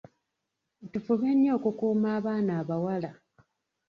Tufube nnyo okukuuuma abaana abawala.